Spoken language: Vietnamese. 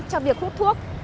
cho việc hút thuốc